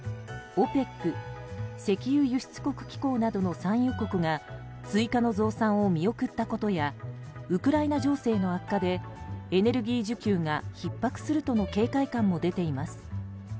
ＯＰＥＣ・石油輸出国機構などの産油国が追加の増産を見送ったことやウクライナ情勢の悪化でエネルギー需給がひっ迫するとの警戒感も出ています。